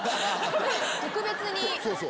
特別に。